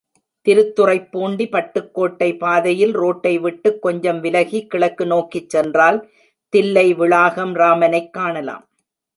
திருத்துறைப் பூண்டி பட்டுக்கோட்டை பாதையில் ரோட்டை விட்டுக் கொஞ்சம் விலகிக் கிழக்கு நோக்கிச் சென்றால் தில்லைவிளாகம் ராமனைக் காணலாம்.